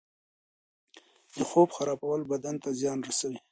د خوب خرابول بدن ته زیان رسوي.